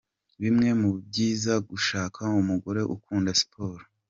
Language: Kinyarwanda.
Bimwe mu byiza gushaka umugore ukunda siporo.